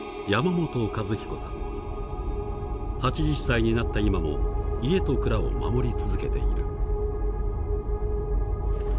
８０歳になった今も家と蔵を守り続けている。